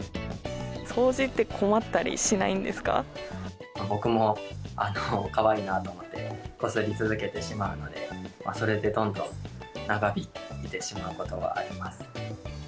掃除って困ったりしないんで僕もかわいいなと思って、こすり続けてしまうので、それでどんどん長引いてしまうことはあります。